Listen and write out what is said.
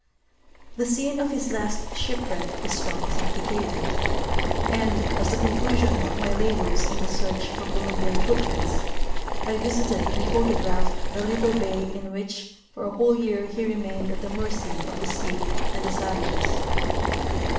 The scene of his last shipwreck is well authenticated, and, as the conclusion of my labors in the search for Columbian foot prints, I visited and photographed the little bay in which for a whole year he remained at the mercy of the sea and the savages.